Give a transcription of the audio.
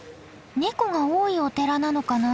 ネコが多いお寺なのかな？